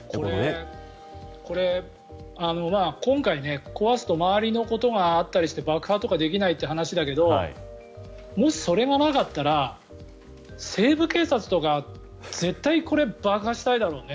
これ、今回壊すと周りのことがあったりして爆破とかできないという話だけどもしそれがなかったら「西部警察」とか絶対これ爆破したいだろうね。